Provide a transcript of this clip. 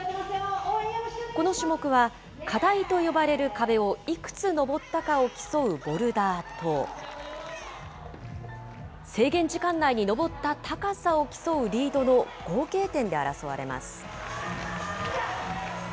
この種目は課題と呼ばれる壁をいくつ登ったかを競うボルダーと、制限時間内に登った高さを競うリードの合計点で争われます。